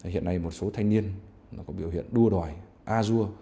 hiện nay một số thanh niên có biểu hiện đua